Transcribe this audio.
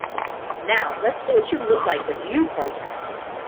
Now let's see what you look like when you protest.